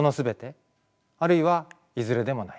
あるいはいずれでもない？